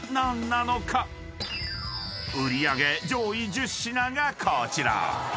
［売り上げ上位１０品がこちら］